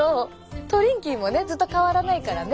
トリンキーもねずっと変わらないからね。